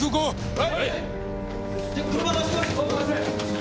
はい！